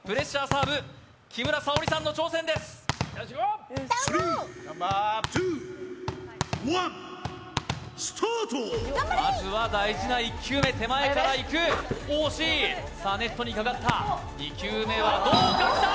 サーブ木村沙織さんの挑戦ですまずは大事な１球目手前からいく惜しいさあネットにかかった２球目はどうかきた！